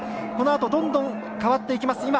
このあとどんどん変わっていきます。